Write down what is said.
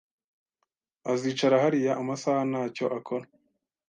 Azicara hariya amasaha ntacyo akora